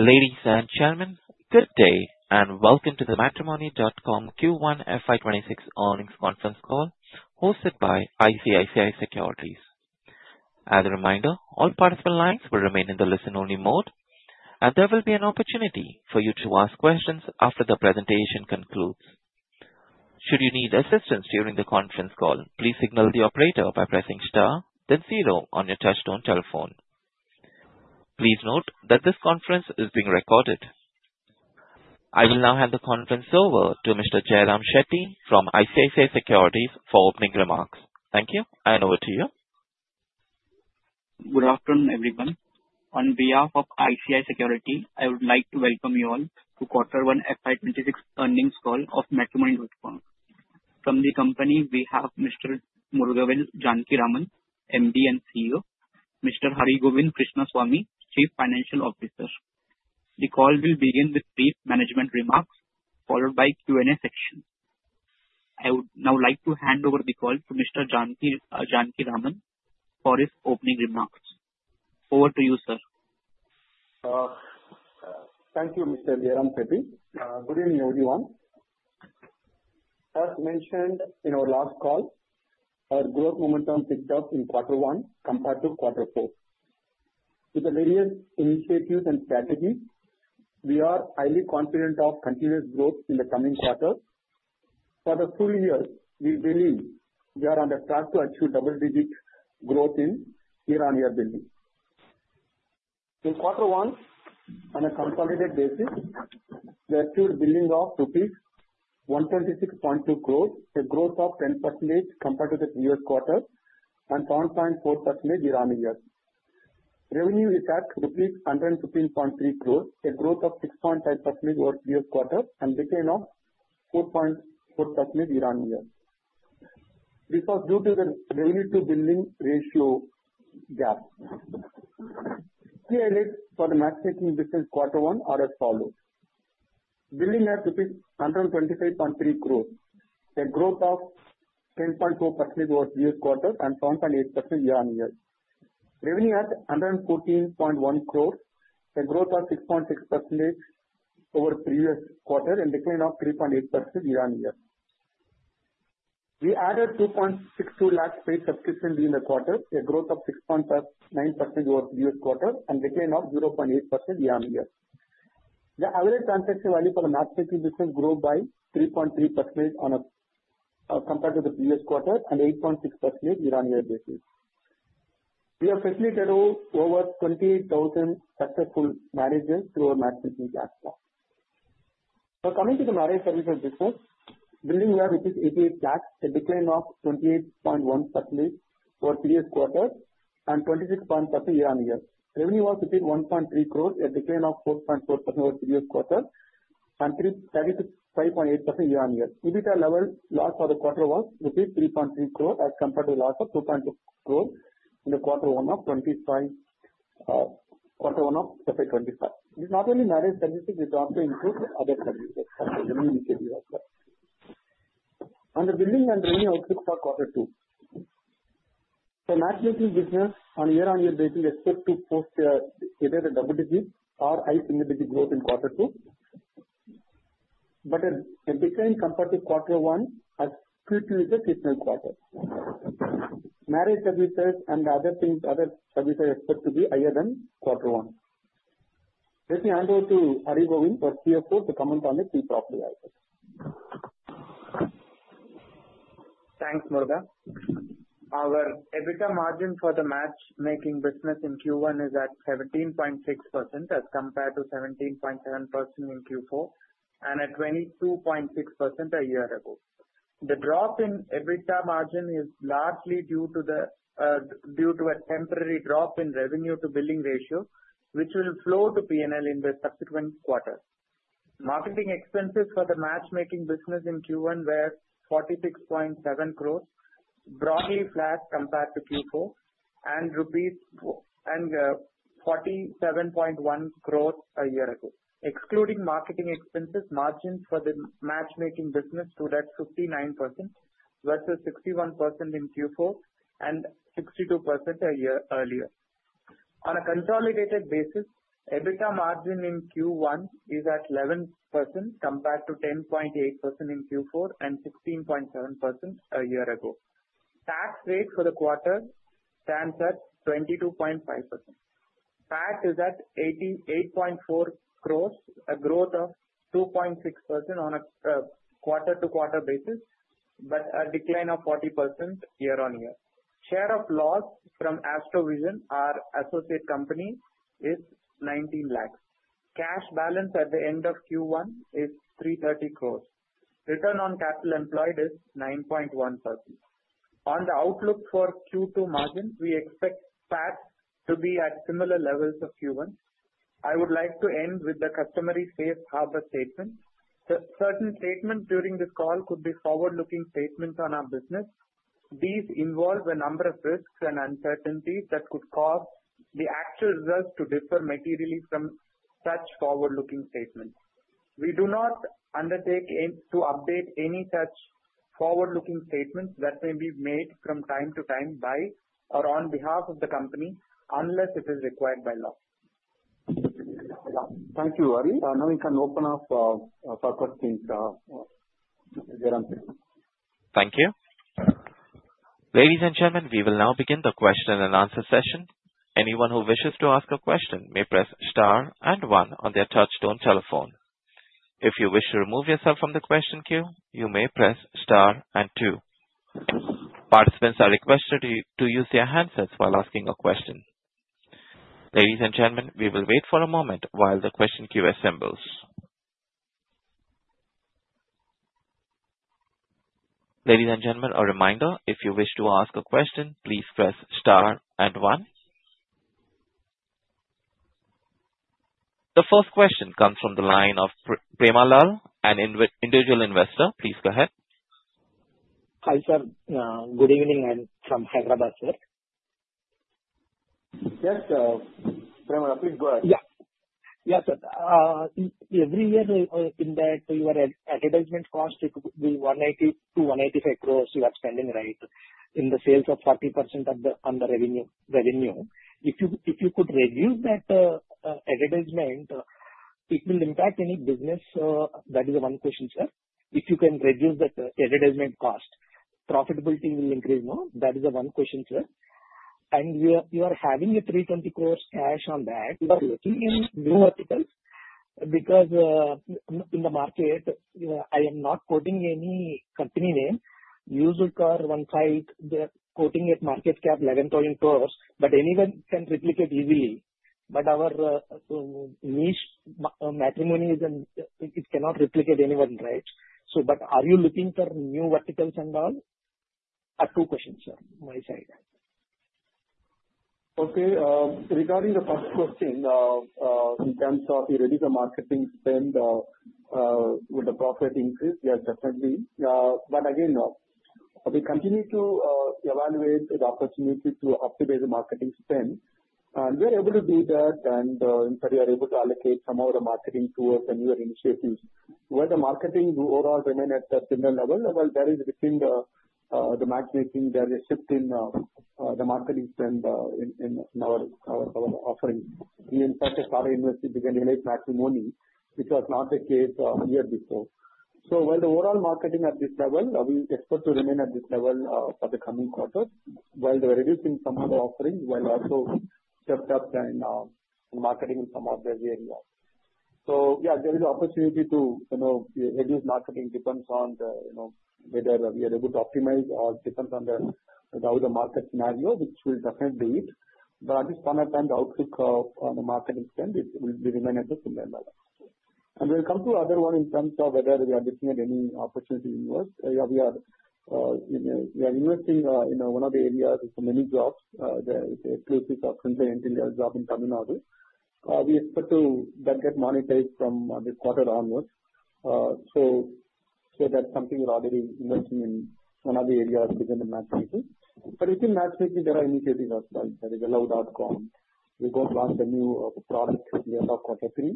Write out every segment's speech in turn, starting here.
Ladies and gentlemen, good day and welcome to the Matrimony.com Q1 FY 2026 Earnings Conference Call hosted by ICICI Securities. As a reminder, all participant lines will remain in the listen-only mode, and there will be an opportunity for you to ask questions after the presentation concludes. Should you need assistance during the conference call, please signal the operator by pressing star then zero on your touch-tone telephone. Please note that this conference is being recorded. I will now hand the conference over to Mr. Jayaram Shetty from ICICI Securities for opening remarks. Thank you, and over to you. Good afternoon, everyone. On behalf of ICI Securities, I would like to welcome you all to the Quarter 1 FY 2026 Earnings Call of Matrimony.com. From the company, we have Mr. Murugavel Janakiraman, Managing Director and CEO, and Mr. Harigovind Krishnasamy, Chief Financial Officer. The call will begin with brief management remarks followed by the Q&A section. I would now like to hand over the call to Mr. Janakiraman for his opening remarks. Over to you, sir. Thank you, Mr. Jayaram Shetty. Good evening, everyone. As mentioned in our last calls, our growth momentum picked up in Quater 1 compared to Quater 4. With the various initiatives and strategies, we are highly confident of continuous growth in the coming quarters. For the full year, we believe we are on the track to achieve double-digit growth in year-on-year billing. In Quater 1, on a consolidated basis, we achieved billing of rupees 126.2 crore, a growth of 10% compared to the previous quarter, and 7.4% year-on-year. Revenue is at 115.3 crore, a growth of 6.5% over the previous quarter, and return of 4.4% year-on-year. This was due to the revenue-to-billing ratio gap. Periods for the matchmaking between Q1 are as follows: Billing at rupees 125.3 crore, a growth of 10.4% over the previous quarter, and 7.8% year-on-year. Revenue at 114.1 crore, a growth of 6.6% over the previous quarter, and a decline of 3.8% year-on-year. We added 2.62 lakh paid subscriptions in the quarter, a growth of 6.9% over the previous quarter, and a decline of 0.8% year-on-year. The average transaction value for the matchmaking business grew by 3.3% compared to the previous quarter, and 8.6% year-on-year basis. We have facilitated over 20,000 successful marriages through our matchmaking platform. Now, coming to the marriage services business, billing here reached 88 lakh, a decline of 28.1% over the previous quarter, and 26.3% year-on-year. Revenue was 1.3 crore, a decline of 4.4% over the previous quarter, and 35.8% year-on-year. EBITDA level loss for the quarter was rupees 3.3 crore as compared to the loss of 2.2 crore in Quarter 1 of FY 2025. This is not only marriage services, it also includes other services of the revenue we give you also. On the billing and revenue outlook for Quarter 2, the matchmaking business on a year-on-year basis expects to post either a double-digit or a single-digit growth in Quarter 2, but a decline compared to Quarter 1 as Q2 is a seasonal quarter. Marriage services and the other things, other services expect to be higher than Quarter 1. Let me hand over to Harigovind the CFO to comment on the CFO's slide. Thanks, Murugavel. Our EBITDA margin for the matchmaking business in Q1 is at 17.6% as compared to 17.7% in Q4 and at 22.6% a year ago. The drop in EBITDA margin is largely due to a temporary drop in revenue-to-billing ratio, which will flow to P&L in the subsequent quarter. Marketing expenses for the matchmaking business in Q1 were 46.7 crore, broadly flat compared to Q4, and 47.1 crore rupees a year ago. Excluding marketing expenses, margins for the matchmaking business grew at 59% versus 61% in Q4 and 62% a year earlier. On a consolidated basis, EBITDA margin in Q1 is at 11% compared to 10.8% in Q4 and 16.7% a year ago. Tax rate for the quarter stands at 22.5%. Tax is at 88.4 crore, a growth of 2.6% on a quarter-to-quarter basis, but a decline of 40% year-on-year. Share of loss from Astro Vision, our associate company, is 1.9 lakhs. Cash balance at the end of Q1 is 330 crore. Return on capital employed is 9.1%. On the outlook for Q2 margin, we expect CAC to be at similar levels as Q1. I would like to end with the customary safe harbor statement. Certain statements during this call could be forward-looking statements on our business. These involve a number of risks and uncertainties that could cause the actual results to differ materially from such forward-looking statements. We do not undertake to update any such forward-looking statements that may be made from time to time by or on behalf of the company unless it is required by law. Thank you, Harigovind. I know we can open up for questions. Thank you. Ladies and gentlemen, we will now begin the question and answer session. Anyone who wishes to ask a question may press star and one on their touch-tone telephone. If you wish to remove yourself from the question queue, you may press star and two. Participants are requested to use their handsets while asking a question. Ladies and gentlemen, we will wait for a moment while the question queue assembles. Ladies and gentlemen, a reminder, if you wish to ask a question, please press star and one. The first question comes from the line of Prema Lal, an individual investor. Please go ahead. Hi, sir. Good evening. I'm from Hyderabad, sir. Yes, Prema Lal, please go ahead. Yeah. Every year, we've been that your advertisement cost should be 180 crore-185 crore. You are spending right in the sales of 40% of the revenue. If you could reduce that advertisement, it will impact any business. That is the one question, sir. If you can reduce that advertisement cost, profitability will increase, no? That is the one question, sir. You are having 320 crore cash on that. You are looking in new verticals because in the market, I am not quoting any company name. You will recall one client, they are quoting a market cap 11,000 cr, but anyone can replicate easily. Our niche matrimony is, and it cannot replicate anyone, right? Are you looking for new verticals and all? That's two questions, sir, my side. Okay. Regarding the first question, in terms of are you ready for marketing spend with the profit increase, yes, definitely. We continue to evaluate the opportunity to optimize the marketing spend, and we are able to do that. In fact, we are able to allocate some of the marketing tools and newer initiatives. While the marketing will overall remain at the general level, within the matchmaking, there is a shift in the marketing spend in our offering. We have started investing in EliteMatrimony.com, which was not the case a year before. While the overall marketing at this level, we expect to remain at this level for the coming quarters, we are reducing some of the offering, while also stepping up the marketing in some of those areas. There is an opportunity to reduce marketing. It depends on whether we are able to optimize or it depends on the market scenario, which will definitely be it. At this point in time, the outlook on the marketing spend will remain at a similar level. We'll come to the other one in terms of whether we are looking at any opportunity to invest. We are investing in one of the areas of ManyJobs the POC subsidiary job in Tamil Nadu. We expect to get monetized from this quarter onwards. That's something we're already investing in, one of the areas within the matchmaking. Within matchmaking, there are initiatives as well. There is Luv.com. We got lots of new products in the year of Q3,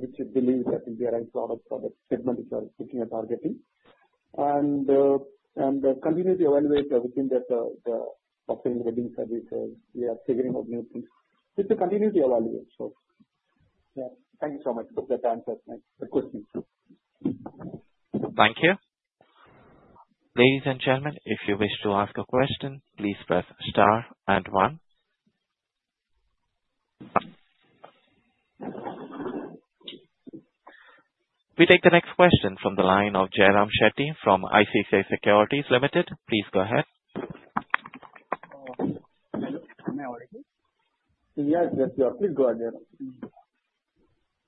which we believe will be the right product segment which we are looking at targeting. We continue to evaluate within the subsidiary revenue services. We are figuring out new things. We should continue to evaluate. Thank you so much. I hope that answers my questions. Thank you. Ladies and gentlemen, if you wish to ask a question, please press star and one. We take the next question from the line of Jayaram Shetty from ICICI Securities. Please go ahead. Yes, yes. Please go ahead.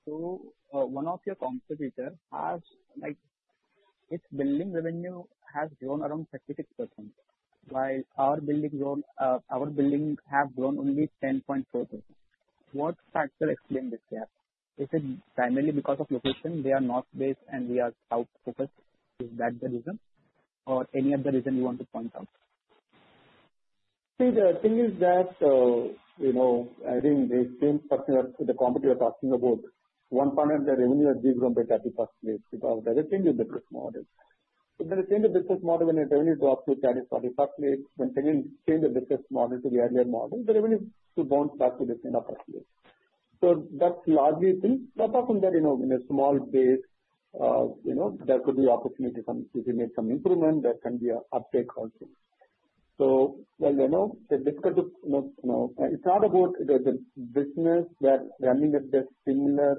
One of your competitors has its billing revenue grown around 36% while our billing has grown only 10.4%. What factor explains this? Is it primarily because of location? They are north-based and we are south-focused? Is that the reason or any other reason you want to point out? See, the thing is that, you know, I think the same factor the company you're talking about, one part of the revenue has been grown by 30%. That's the change in the business model. If you change the business model when the revenue drops to 30%, when you change the business model to the earlier model, the revenue bounces back to the same opportunity. That's largely the thing. Apart from that, in a small base, there could be opportunities if you make some improvements. There can be an uptake also. It's difficult to, you know, it's not about the business where we're running at the similar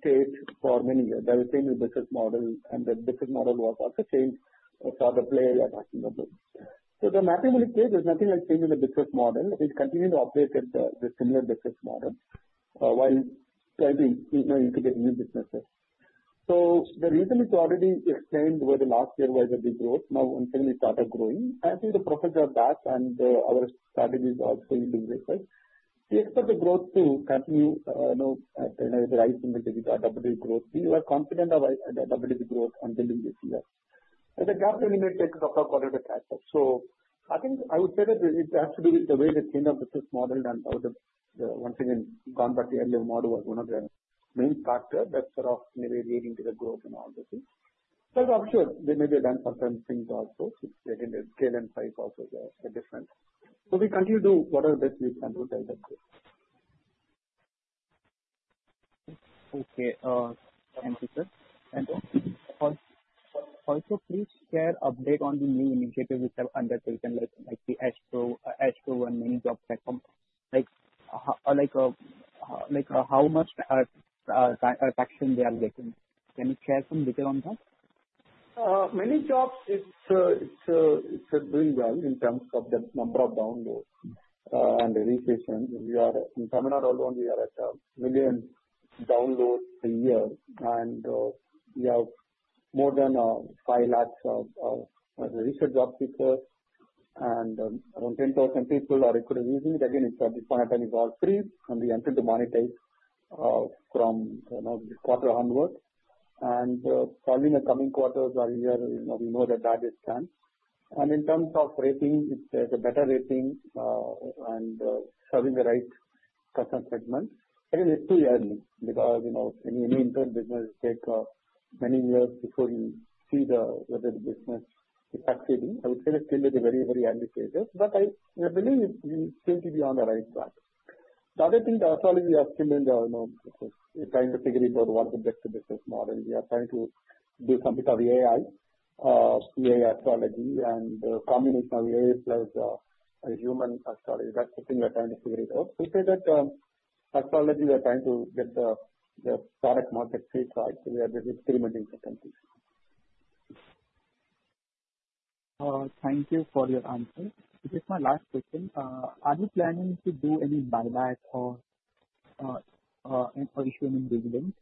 stage for many years. There is a change in the business model, and the business model will also change for the players I'm asking about. The matrimonial case is nothing like changing the business model. It continues to operate at the similar business model while integrating new businesses. The reason it's already explained was the last year was a big growth. Now, when we started growing, I think the profits are back and our strategies are going to be different. We expect the growth to continue, you know, at the right single-digit or double-digit growth. We were confident of double-digit growth until this year. The gap really changes across quarter to quarter. I think I would say that it's actually the way the change of the business model and the once again gone back to the earlier model was one of the main factors that sort of mediating the growth and all this. There may be a ramp-up in things also. It's between 10% and 5% also the difference. We continue to do whatever best we can do, that's it. Okay. Thank you, sir. Please share an update on the mean in case we have undertaken like the Astro and ManyJobs platform. How much traction they are getting? Can you share some details on that? ManyJobs is doing well in terms of the number of downloads and registrations. We are in Tamil Nadu, we are at a million downloads a year. We have more than INR 5 lakhs registrations because around 10,000 people are using it. At this point in time it was free, and we wanted to monetize from the quarter onwards. Probably in the coming quarters or year, you know, we know that that is done. In terms of rating, it's a better rating and serving the right customer segment. I think it's too early because, you know, any new internet business will take many years before you see whether the business is succeeding. I would say that still it's a very, very early stage, but I believe we seem to be on the right track. The other thing, the astrology is still in the, you know, we're trying to figure out what's the best business model. We are trying to do some bit of AI astrology services, and a combination of AI plus a human astrology. That's the thing we're trying to figure out. We say that astrology we're trying to get the product market fit right. We are experimenting with that. Thank you for your answers. This is my last question. Are you planning to do any buyback or issuing in dividends?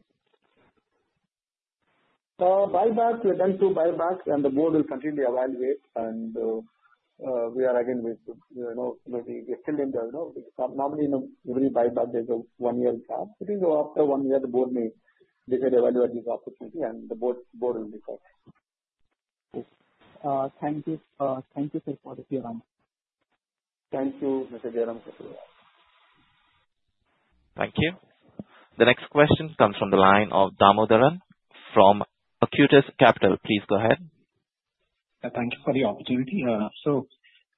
Buybacks, we're going to do buybacks, and the board will continue to evaluate. We are still in the, you know, normally in every buyback there's a one-year gap. I think after one year, the board may evaluate this opportunity, and the board will report. Thank you, Mr. Janakiraman Thank you, Mr. Jayaram, for sure. Thank you. The next question comes from the line of Dhamodaran from Acutus Capital. Please go ahead. Thank you for the opportunity.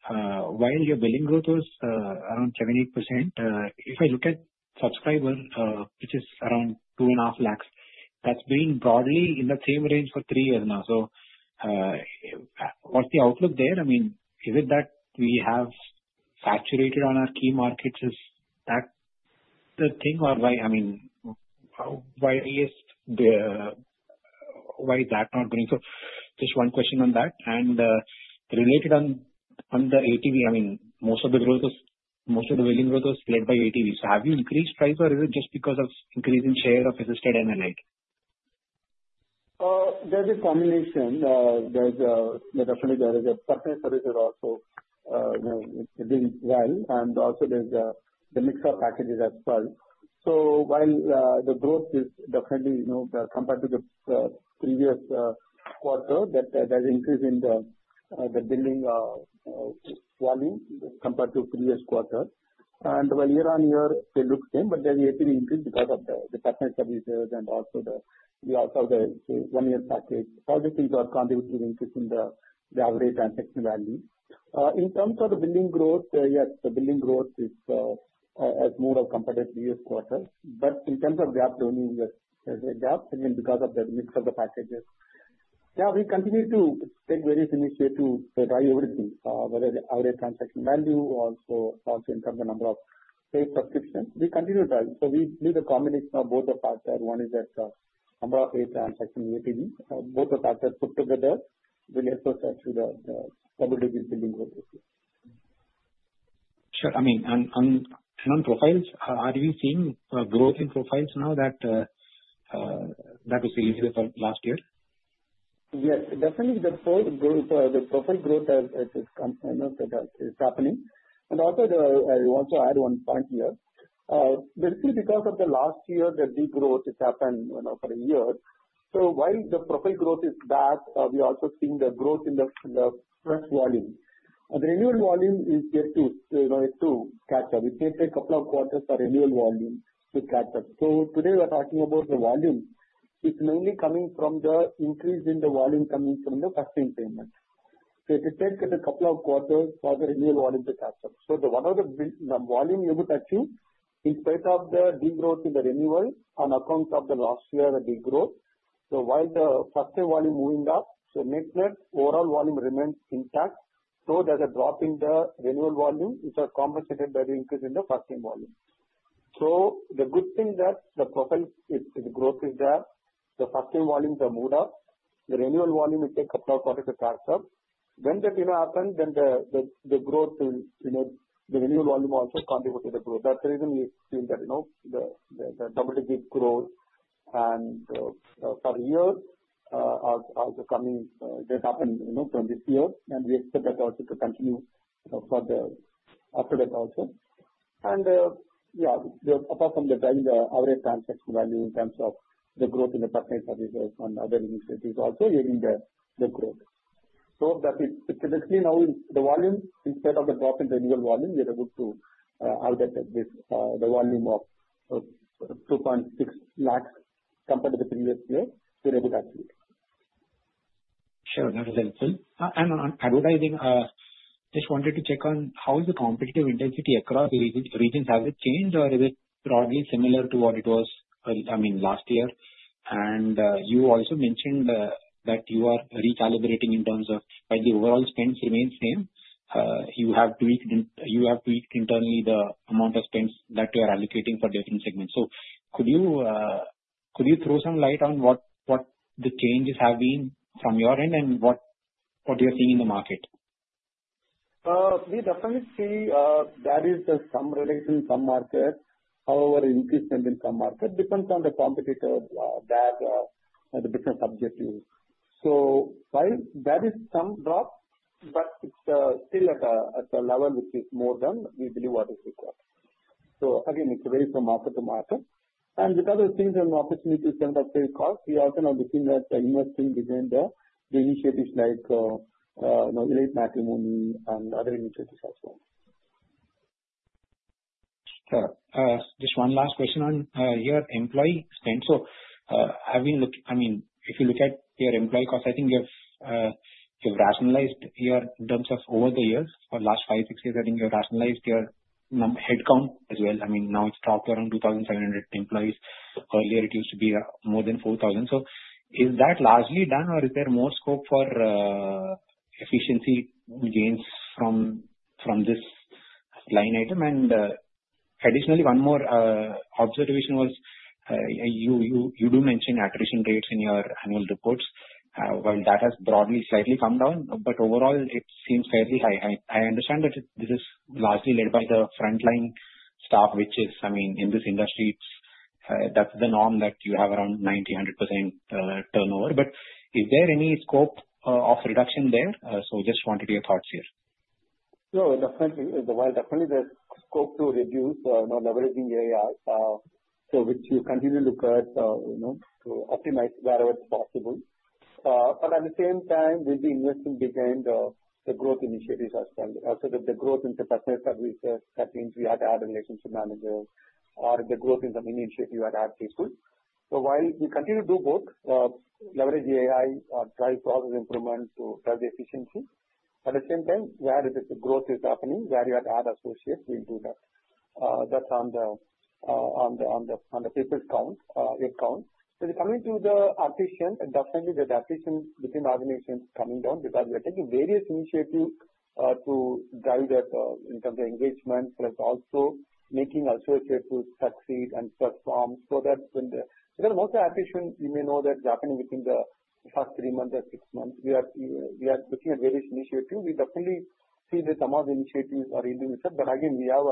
While your billing growth was around 78%, if I look at subscribers, which is around 2.5 lakhs, that's been broadly in the same range for three years now. What's the outlook there? I mean, is it that we have saturated on our key markets? Is that the thing? Why is that not going? Just one question on that. Related on the ATV, most of the growth is, most of the billing growth is led by ATV. Have you increased price, or is it just because of increasing share of assisted MLAs? There's a combination. Yeah, definitely, there is a personal. Services are also doing well. Also, there's the mixer packages as well. While the growth is definitely, you know, compared to the previous quarter, there's an increase in the billing volume compared to the previous quarter. While year-on-year, they look the same, there's an increase because of the partner services and also the one-year package. All these things are contributing to increasing the average transaction value. In terms of the billing growth, yes, the billing growth is more compared to the previous quarter. In terms of gap, there's a gap, again, because of the mix of the packages. We continue to take various initiatives to drive everything, whether the average transaction value or also in terms of the number of paid subscriptions, we continue to drive. We do the combination of both the factors. One is that the number of paid transactions in ATV. Both the factors put together will also set you the double-digit billing. Sure. I mean, on non-profiles, are you seeing growth in profiles now that we previously from last year? Yeah, definitely. The profile growth is happening. I'll also add one point here. Basically, because of last year, the deep growth has happened for a year. While the profile growth is back, we are also seeing the growth in the press volume. The renewal volume is here too, so you know it too catch up. It may take a couple of quarters for renewal volume to catch up. Today we're talking about the volume. It's mainly coming from the increase in the volume coming from the customer payment. It will take a couple of quarters for the renewal volume to catch up. One of the volume limit issues is in spite of the deep growth in the renewal on account of last year's deep growth. While the first-time volume is moving up, network overall volume remains intact. Though there's a drop in the renewal volume, it's compensated by the increase in the first-time volume. The good thing is that the profile growth is there. The first-time volumes are moved up. The renewal volume will take a couple of quarters to catch up. When that happens, then the growth will, you know, the renewal volume will also contribute to the growth. That's the reason we've seen the double-digit growth, and for a year, of the coming that happened from this year. We expect that also to continue for the after that also. Apart from driving the average transaction value in terms of the growth in the partner services and other initiatives also hitting the growth. It is basically now in the volume. Instead of the drop in renewal volume, we're able to have the volume of 2.6 lakhs compared to the previous year. We're able to achieve it. Sure. That is helpful. On parallelizing, I just wanted to check how the competitive intensity is across the region. Has it changed or is it broadly similar to what it was last year? You also mentioned that you are recalibrating in terms of the overall spend remaining the same. You have tweaked internally the amount of spend that you are allocating for different segments. Could you throw some light on what the changes have been from your end and what you're seeing in the market? We definitely see there is some relation in some markets. However, the increase in some markets depends on the competitor, their business objectives. While there is some drop, it's still at a level which is more than we believe what is required. It's a very small market to market. With other things and opportunities that are still cost, we also have seen that investing within the initiatives like EliteMatrimony and other initiatives also. Sure. Just one last question on your employee spend. If you look at your employee cost, I think you've rationalized here in terms of over the years. For the last five, six years, I think you've rationalized your headcount as well. Now it's top around 2,700 employees. Earlier, it used to be more than 4,000. Is that largely done, or is there more scope for efficiency gains from this line item? Additionally, one more observation was, you do mention attrition rates in your annual reports. That has broadly slightly come down, but overall, it seems fairly high. I understand that this is largely led by the frontline staff, which is, in this industry, that's the norm that you have around 90%, 100% turnover. Is there any scope of reduction there? I just wanted your thoughts here. No, definitely. While definitely there's scope to reduce, not leveraging AI, which you continue to look at, you know, to optimize wherever it's possible. At the same time, with the investment behind the growth initiatives as well, also the growth in the partner services, that means we have to add a relationship manager or the growth in some initiative you have to add people. While we continue to do both, leverage the AI or drive process improvement to drive the efficiency. At the same time, where the growth is happening, where you have to add associates, we do that. That's on the paper count, headcount. When it comes to the attrition, definitely the attrition between the organizations is coming down because we are taking various initiatives to drive that, in terms of engagement, plus also making associates to succeed and perform so that when the, because most of the attrition, you may know that is happening within the first three months or six months. We are looking at various initiatives. We definitely see that some of the initiatives are leading the ship, but again, we have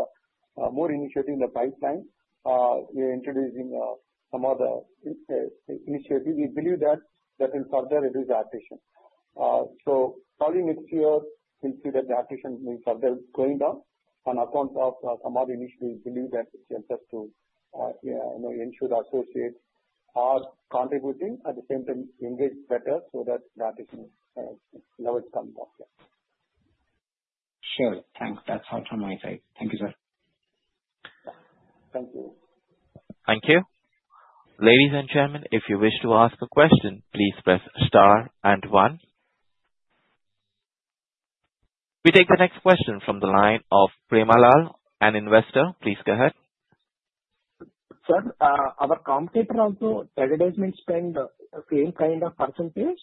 more initiative in the pipeline. We are introducing some of the initiatives. We believe that that can further reduce the attrition. Probably next year, we'll see that the attrition is further going down on account of some other initiatives. We believe that it's helpful to, you know, ensure the associates are contributing at the same time engaged better so that the attrition level is coming down. Sure. Thanks. That's all from my side. Thank you, sir. Thank you. Ladies and gentlemen, if you wish to ask a question, please press star and one. We take the next question from the line of Prema Lal, an investor. Please go ahead. Sir, our competitors also advertise and spend the same kind of percentage.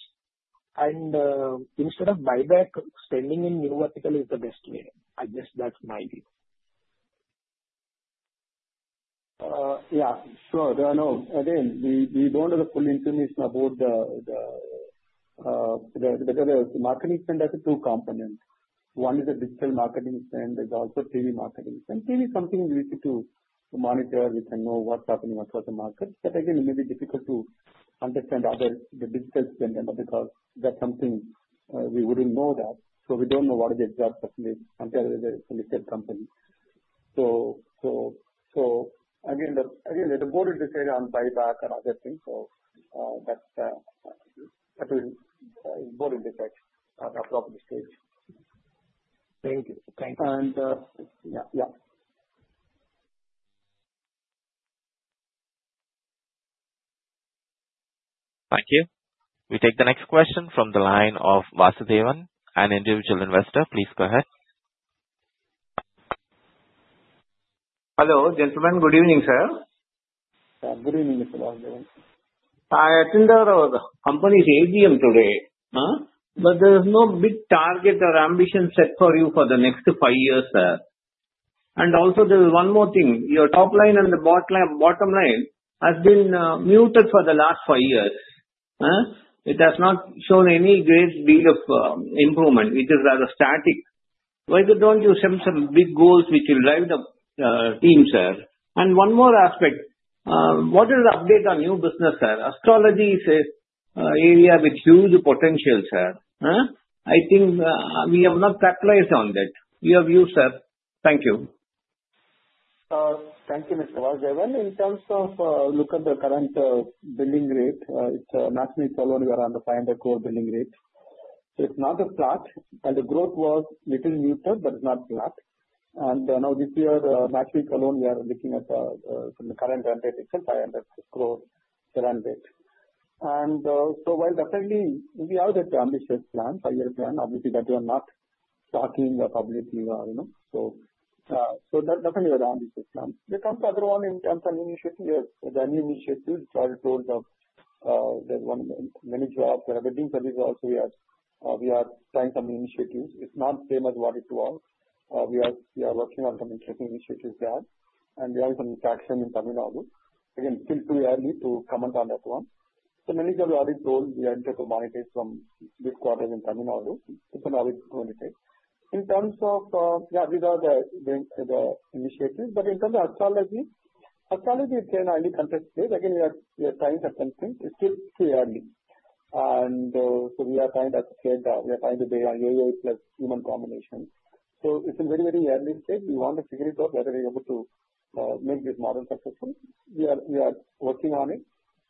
Instead of buyback, spending in new verticals is the best way. I guess that's my view. Yeah, sure. We don't have the full information about that because the marketing spend has two components. One is the digital marketing spend, and there's also TV marketing spend. TV is something we need to monitor. We can know what's happening across the market, but it may be difficult to understand the digital spend because that's something we wouldn't know about. We don't know what is the exact percentage compared to the listed company. The board is deciding on buybacks and other things. That's the part of it that is important to touch at the proper stage. Thank you. Thank you. Yeah, yeah. Thank you. We take the next question from the line of Vasudevan, an individual investor. Please go ahead. Hello, gentlemen. Good evening, sir. Good evening, Mr. Vasudevan. Hi, I think the company is AGM today. There is no big target or ambition set for you for the next five years, sir. There is one more thing. Your top line and the bottom line have been muted for the last five years. It has not shown any great deal of improvement, which is rather static. Why don't you set some big goals which will drive the team, sir? One more aspect. What is the update on your business, sir? Astrology is an area with huge potential, sir. I think we have not capitalized on that. Your view, sir? Thank you. Thank you, Mr. Vasudevan. In terms of looking at the current billing rate, it's a maximum salary around 500 crore billing rate. It's not flat, and the growth was a little muted, but it's not flat. This year, the maximum salary we are looking at from the current run rate, it's INR 500 crore the run rate. While definitely we have the ambitious plan, five-year plan, obviously that we are not talking publicly or, you know, that's definitely the ambitious plan. We come to the other one in terms of the initiatives. There are new initiatives. There are ManyJobs. There are wedding services also. We are trying some initiatives. It's not famous one to all. We are working on some interesting initiatives there, and we have some traction in Tamil Nadu. Again, still too early to comment on that one. ManyJobs is in growth. We are able to monetize some big quarters in Tamil Nadu. It's another growth. In terms of, yeah, these are the initiatives. In terms of astrology, astrology is in early context stage. Again, we are trying certain things. It's still too early. We are trying to appreciate that we are trying to build on AI plus human combination. It's a very, very early stage. We want to figure it out whether we're able to make this model successful. We are working on it,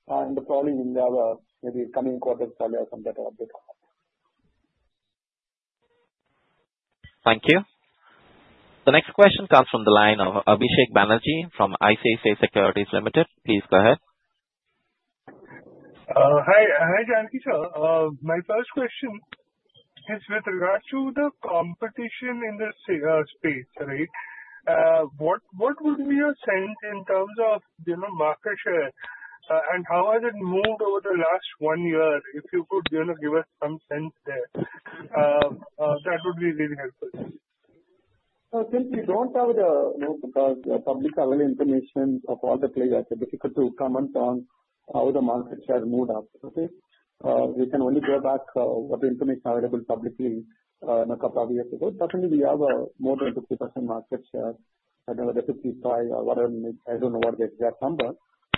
and probably in the maybe coming quarters, we'll have some better updates. Thank you. The next question comes from the line of Abhishek Banerjee from ICICI Securities. Please go ahead. Hi, Janakiraman. My first question is with regards to the competition in the space, right? What would be your sense in terms of the market share and how has it moved over the last one year? If you could give us some sense there, that would be really helpful. Since we don't have the publicly available information of all the players, it's difficult to comment on how the market share has moved up. We can only draw back what the information available publicly a couple of years ago. Definitely, we have more than 50% market share. I don't know whether 55% or whatever. I don't know the exact number.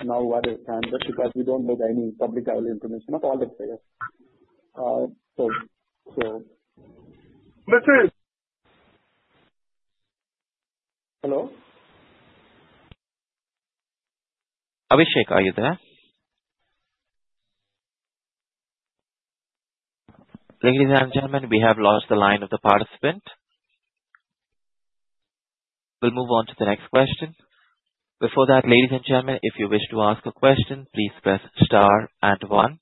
Now, what is standard? Because we don't know any publicly available information of all the players. Let's say. Hello? Abhishek, are you there? Ladies and gentlemen, we have lost the line of the participant. We'll move on to the next question. Before that, ladies and gentlemen, if you wish to ask a question, please press star and one.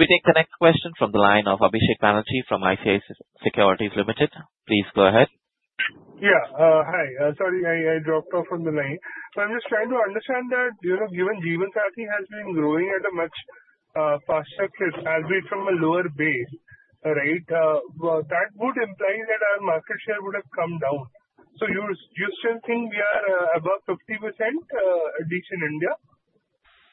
We take the next question from the line of Abhishek Banerjee from ICICI Securities. Please go ahead. Hi, sorry, I dropped off from the line. I'm just trying to understand that, you know, given matchmaking has been growing at a much faster pace as we're from a lower base, right? That would imply that our market share would have come down. Do you still think we are above 50% at least in India?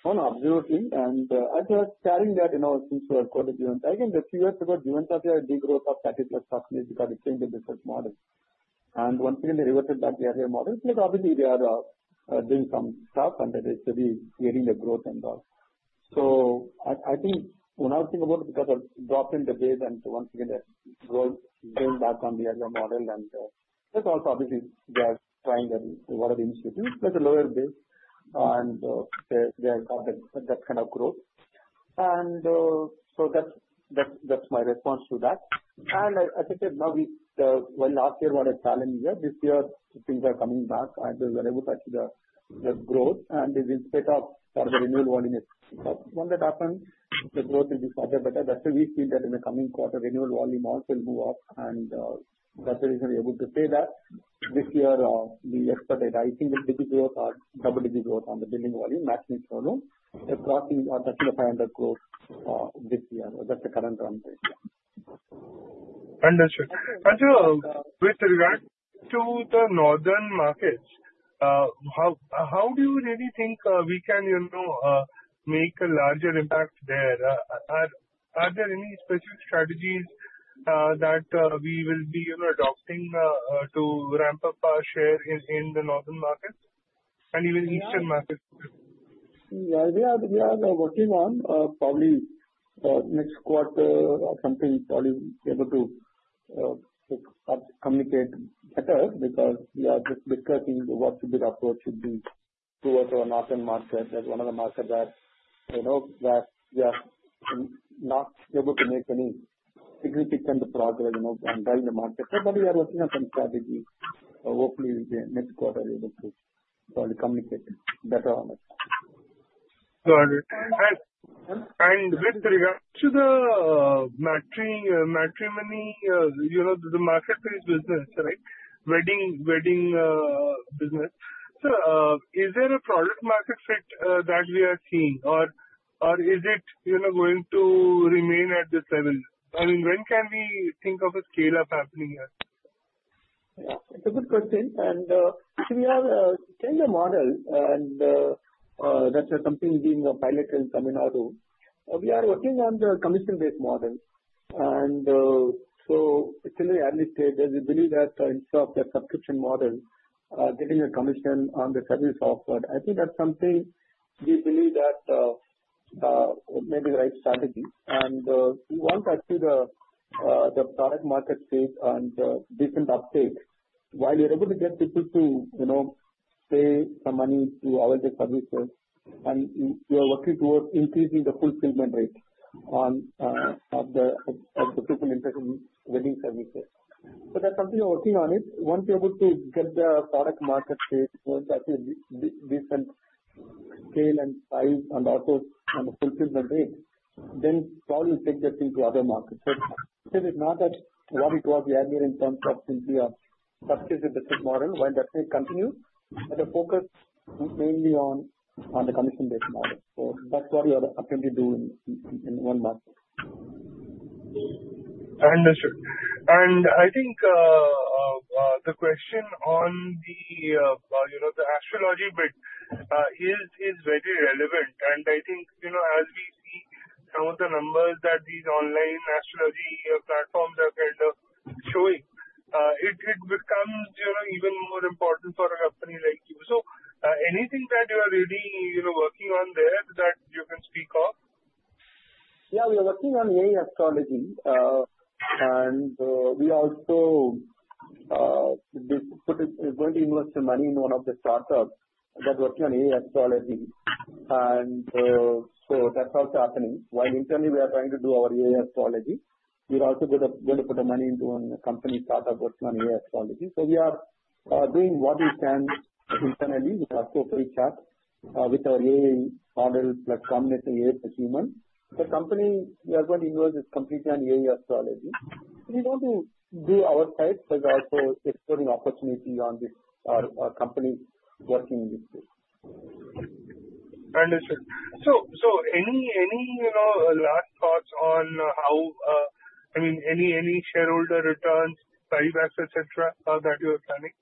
No, absolutely. I'm just sharing that, you know, since we are quarterly. A few years ago, matchmaking had a big growth of 30% because it changed the business model. Once again, they reverted back to the earlier model. Obviously, they are doing some stuff and they're still getting the growth and all. I think when I was thinking about it because I've dropped in the base and once again they're going back on the earlier model. That's also obviously they are trying whatever initiatives with a lower base and say they have that kind of growth. That's my response to that. I think that now last year was a challenge. This year, things are coming back. I believe we're able to achieve the growth. In spite of the renewal volume is up, when that happens, the growth will be further better. That's why we feel that in the coming quarter, renewal volume also will move up. That's the reason we're able to say that this year, we expect a rising atchmaking double-digit growth on the billing volume, maximum salary crossing 130 cr- 500 crore this year. That's the current context. Understood. Actually, with regards to the northern markets, how do you really think we can make a larger impact there? Are there any specific strategies that we will be adopting to ramp up our share in the northern markets and even Eastern markets? Yeah, we are working on probably next quarter or something, probably be able to communicate better because we are just discussing what should be the approach to do towards our northern markets as one of the markets that I know that we are not able to make any significant progress in driving the market. We are working on some strategies. Hopefully, next quarter, we're able to probably communicate better on it. Got it. With regards to the matrimony, you know, the marketplace business, the wedding business, is there a product market fit that we are seeing? Is it going to remain at this level? I mean, when can we think of a scale-up happening here? Yeah, it's a good question. We are changing the model, and that's something being piloted in Tamil Nadu. We are working on the commission-based model. It's in the early stages. We believe that instead of the subscription model, getting a commission on the service offered, that's something we believe may be the right strategy. Once I see the product market space and the decent uptake, while you're able to get people to pay some money to all the services, you're working towards increasing the fulfillment rate of the people interested in wedding services. That's something we're working on. Once we're able to get the product market to a decent scale and size and also on the fulfillment rate, probably we'll take that into other markets. It's not that what it was we are here in terms of simply a subscription-based model when that continues. The focus is mainly on the commission-based model. That's what we are attempting to do in one market. Understood. I think the question on the astrology bit is very relevant. I think, as we know the numbers that these online astrology platforms are kind of showing, it becomes even more important for a company like you. Is there anything that you are really working on there that you can speak of? Yeah, we are working on AI astrology services. We also, basically, are going to invest some money in one of the startups working on AI astrology services. That's also happening. While internally we are trying to do our AI astrology services, we're also going to put the money into a company startup working on AI astrology services. We are doing what we can internally with our corporate chat with our AI model platform, let's say AI human. The company we as well invest is completely on AI astrology services. We want to do our edge as well. It's putting opportunity on this our company working with. Understood. Any last thoughts on how, I mean, any shareholder returns, buybacks, etc., that you're planning?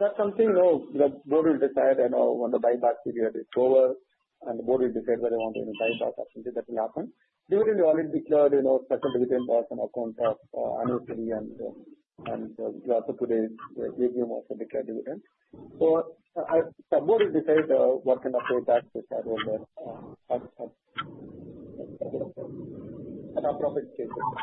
That's something the board will decide when the buyback period is over. The board will decide whether they want any buyback or something that will happen. Dividend will always be cleared, a certain dividend brought on account of annuity. For today, we're giving you a certain dividend. The board will decide what kind of payback the shareholders after profit stages are.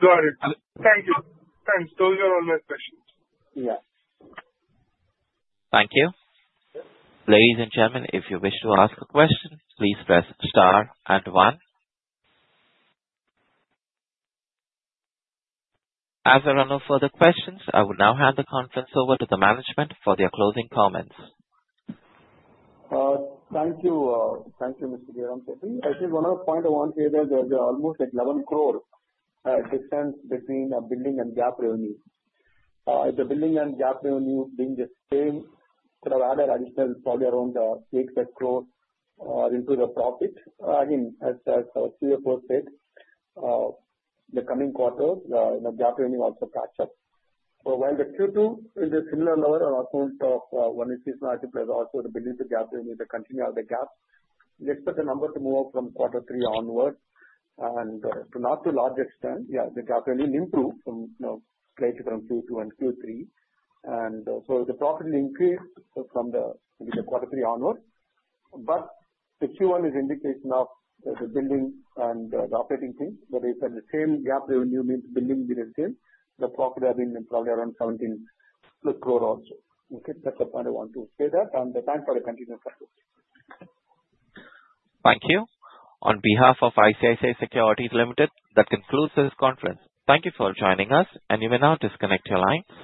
Got it. Thank you. Thanks. Those are all my questions. Yeah. Thank you. Ladies and gentlemen, if you wish to ask a question, please press star and one. As there are no further questions, I will now hand the conference over to the management for their closing comments. Thank you. Thank you, Mr. Jayaram Shetty. I think one of the points I want to say is that there are almost 11 cr assistance between the billing and gap revenue. If the billing and gap revenue being the same, there are other additional probably around 80 cr-INR 100 cr into the profit. Again, as our CFO said, the coming quarter, the gap revenue also catch up. While the Q2 is a similar number on account of when we see some architects also the billing to gap revenue is continuing on the gap, we expect the number to move up from quarter three onward. To not too large extent, the gap revenue need to, you know, plate from Q2 and Q3. The profit increased from the quarter three onward. The Q1 is an indication of the building and the operating team. If the same gap revenue means the building did the same, the profit has been probably around 17 cr also. That's the point I want to say that. The plan for a continued support. Thank you. On behalf of ICICI Securities, that concludes this conference. Thank you for joining us, and you may now disconnect your line.